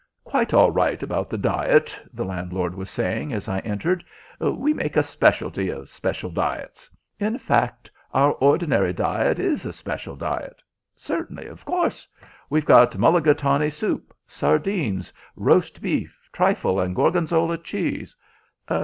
"Quite all right about the diet," the landlord was saying as I entered. "We make a specialty of special diets. In fact, our ordinary diet is a special diet. Certainly, of course. We've got mulligatawny soup, sardines, roast beef, trifle and gorgonzola cheese.